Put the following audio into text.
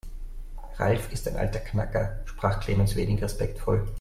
Ralf ist ein alter Knacker, sprach Clemens wenig respektvoll.